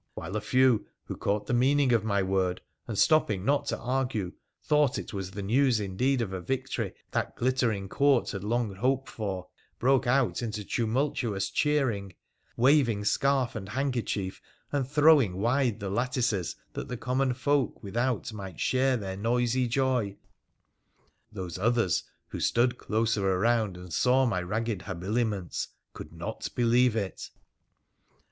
While a few, who caught the meaning of my word and, stopping not to argue, thought it was the news indeed of a victory that glittering Court had long hoped for, broke out into tumultuous cheering — waving scarf and handkerchief, and throwing wide the lattices, that the common folk without might share their noisy joy, those others who stood closer around, and saw my ragged habili ments, could not believe it.